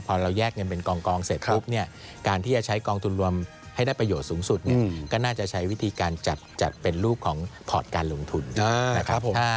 พอเราแยกเงินเป็นกองเสร็จปุ๊บเนี่ยการที่จะใช้กองทุนรวมให้ได้ประโยชน์สูงสุดเนี่ยก็น่าจะใช้วิธีการจัดเป็นรูปของพอร์ตการลงทุนนะครับผม